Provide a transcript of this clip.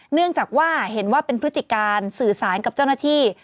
เนื่องจากว่าเห็นว่าเป็นพฤติการสื่อสารกับเจ้าหน้าที่